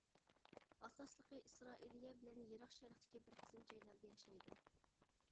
ئاساسلىقى ئىسرائىلىيە بىلەن يىراق شەرقتىكى بىر قىسىم جايلاردا ياشايدۇ.